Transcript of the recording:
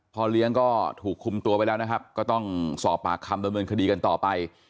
พ่อเลี้ยงก็ถูกคุมตัวไปแล้วนะครับก็ต้องสอบปากคำดำเนินคดีกันต่อไป